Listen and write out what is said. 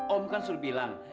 om kan suruh bilang